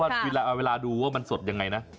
ว่าเวลาดูว่ามันสดอย่างไรนะ